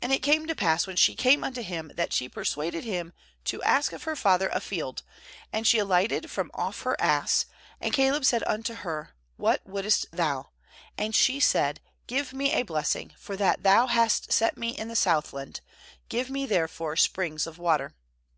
18And it came to pass, when she came unto him, that she persuaded him to ask of her father a field; and she alighted from "off her ass; and Caleb said unto her: 'What wouldest thou?' 19And she said: 'Give me a blessing; for that thou hast set me in the ^Southland, give me therefore springs of water.'